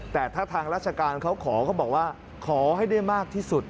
แต่ถ้าทางราชการเขาขอเขาบอกว่าขอให้ได้มากที่สุด